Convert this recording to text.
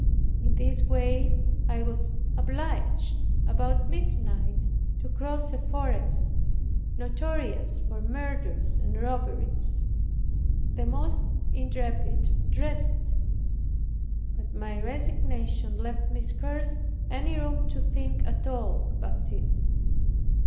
In this way I was obliged, about midnight, to cross a forest, notorious for murders and robberies. The most intrepid dreaded it; but my resignation left me scarce any room to think at all about it.